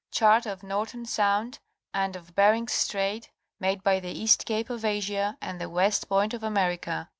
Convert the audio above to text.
"Chart of Norton Sound and of Bherings Strait made by the East Cape of Asia and the west point of America."